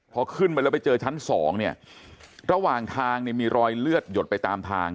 พอขึ้นไปแล้วไปเจอชั้นสองเนี่ยระหว่างทางเนี่ยมีรอยเลือดหยดไปตามทาง